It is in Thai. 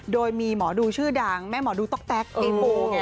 โดยมีหมอดูชื่อดังแม่หมอดูต๊อกแต๊กไอโฟไง